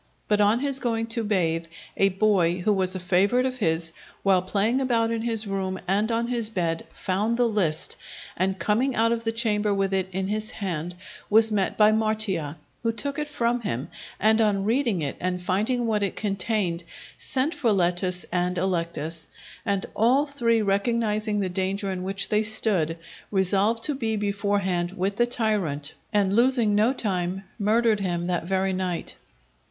But on his going to bathe, a boy, who was a favourite of his, while playing about his room and on his bed, found the list, and coming out of the chamber with it in his hand, was met by Martia, who took it from him, and on reading it and finding what it contained, sent for Letus and Electus. And all three recognizing the danger in which they stood, resolved to be beforehand with the tyrant, and losing no time, murdered him that very night.